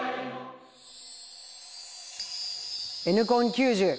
「Ｎコン９０」。